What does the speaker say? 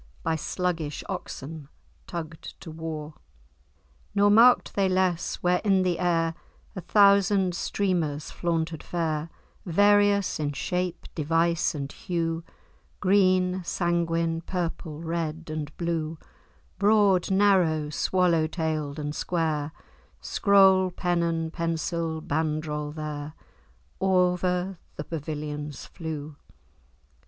By sluggish oxen tugg'd to war; Nor mark'd they less, where in the air A thousand streamers flaunted fair, Various in shape, device, and hue, Green, sanguine, purple, red, and blue, Broad, narrow, swallow tailed, and square, Scroll, pennon, pensil, bandrol,[#] there O'er the pavilions flew.